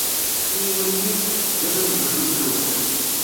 Syin akkin d Anamzul n Uselway.